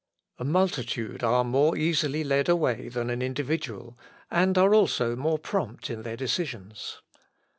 A multitude are more easily led away than an individual, and are also more prompt in their decisions.